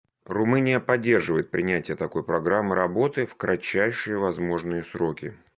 Румыния поддерживает принятие такой программы работы в кратчайшие возможные сроки.